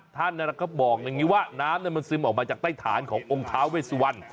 ท่านก็บอกอย่างนี้ว่าน้ำมันซึมออกมาจากใต้ฐานขององค์ท้าเวสวัน